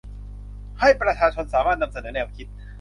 ให้ประชาชนสามารถนำเสนอแนวคิด